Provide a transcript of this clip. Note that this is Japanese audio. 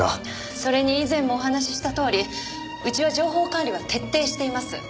それに以前もお話ししたとおりうちは情報管理は徹底しています。